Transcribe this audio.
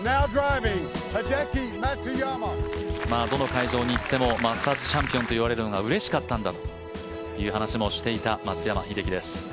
どの会場に行ってもマスターズチャンピオンと言われるのがうれしかったんだという話もしていた、松山英樹です。